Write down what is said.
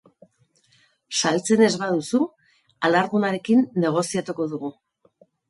Saltzen ez baduzu, alargunarekin negoziatuko dugu.